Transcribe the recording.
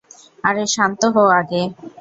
আরে, শান্ত হো আগে।